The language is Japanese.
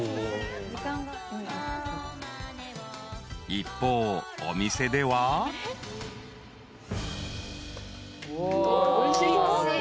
［一方お店では］いいにおい。